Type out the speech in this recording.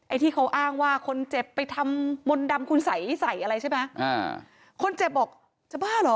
ที่เขาอ้างว่าคนเจ็บไปทำมนต์ดำคุณสัยใส่อะไรใช่ไหมอ่าคนเจ็บบอกจะบ้าเหรอ